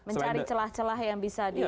mencari celah celah yang bisa di